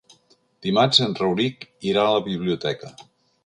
Dimarts en Rauric irà a la biblioteca.